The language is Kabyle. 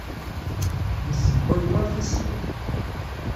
Yessewway war tisent.